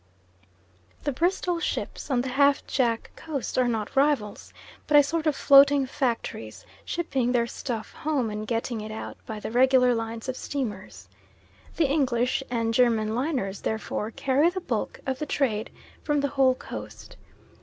The Bristol ships on the Half Jack Coast are not rivals, but a sort of floating factories, shipping their stuff home and getting it out by the regular lines of steamers. The English and German liners therefore carry the bulk of the trade from the whole Coast.